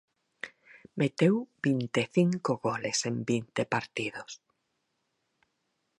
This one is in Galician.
Meteu vinte e cinco goles en vinte partidos.